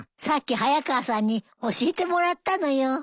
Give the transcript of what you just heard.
さっき早川さんに教えてもらったのよ。